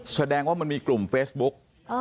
แสดงว่ามันมีกลุ่มเฟซบุ๊ก